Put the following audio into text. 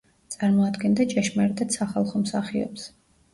წარმოადგენდა ჭეშმარიტად სახალხო მსახიობს.